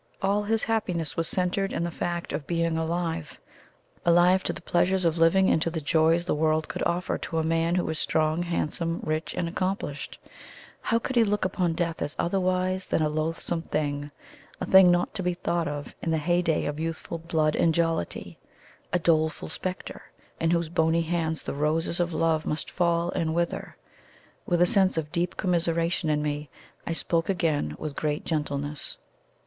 All his happiness was centred in the fact of BEING ALIVE alive to the pleasures of living, and to the joys the world could offer to a man who was strong, handsome, rich, and accomplished how could he look upon death as otherwise than a loathsome thing a thing not to be thought of in the heyday of youthful blood and jollity a doleful spectre, in whose bony hands the roses of love must fall and wither! With a sense of deep commiseration in me, I spoke again with great gentleness.